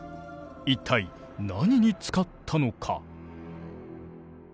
一体何に使ったのか？